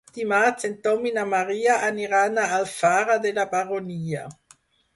Dimarts en Tom i na Maria aniran a Alfara de la Baronia.